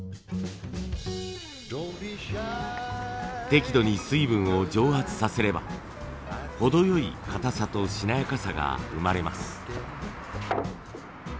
適度に水分を蒸発させれば程良いかたさとしなやかさが生まれます。